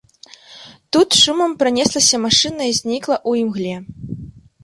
Тут з шумам пранеслася машына і знікла ў імгле.